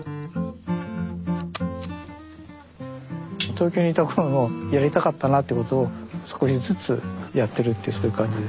東京にいた頃のやりたかったなっていうことを少しずつやってるってそういう感じです。